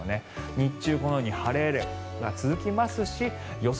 日中、このように晴れが続きますし予想